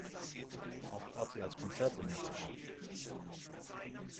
Auch trat sie als Konzertsängerin auf.